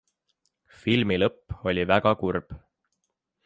Filmi lõpp oli väga kurb.